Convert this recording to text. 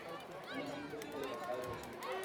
Una síntesis de pasado y presente.